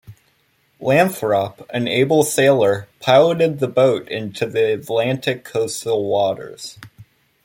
Lathrop, an able sailor, piloted the boat into the Atlantic coastal waters.